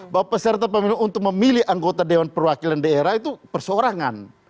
bahwa peserta pemilu untuk memilih anggota dewan perwakilan daerah itu perseorangan